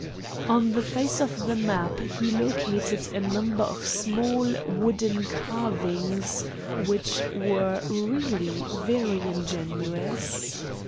On the face of the map he located a number of small wooden carvings, which were really very ingenious.